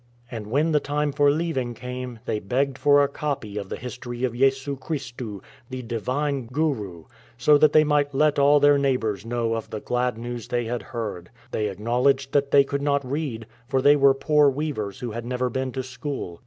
And when the time for leaving came they begged for a copy of the history of Yesu Kristu, " the Divine Guru,' so that they might let all their neighbours know of the glad news they had heard. They acknowledged that they could not read, for they were poor weavers who had never been to school.